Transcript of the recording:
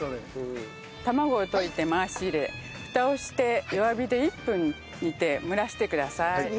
卵を溶いて回し入れフタをして弱火で１分煮て蒸らしてください。